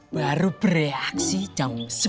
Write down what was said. baru bereaksi jam sembilan malam